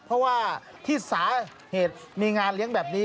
เพราะว่าที่สาเหตุมีงานเลี้ยงแบบนี้